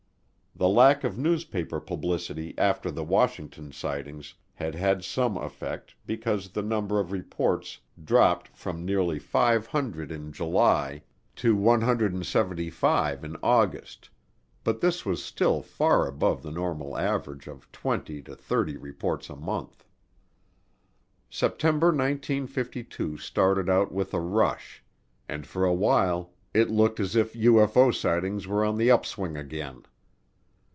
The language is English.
The lack of newspaper publicity after the Washington sightings had had some effect because the number of reports dropped from nearly 500 in July to 175 in August, but this was still far above the normal average of twenty to thirty reports a month. September 1952 started out with a rush, and for a while it looked as if UFO sightings were on the upswing again.